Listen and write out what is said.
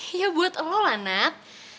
iya buat lo lah nat